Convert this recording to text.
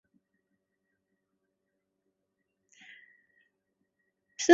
斯莫罗季诺农村居民点是俄罗斯联邦别尔哥罗德州雅科夫列沃区所属的一个农村居民点。